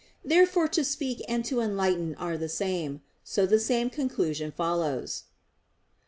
Therefore to speak and to enlighten are the same; so the same conclusion follows.